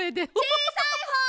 ・ちいさいほう！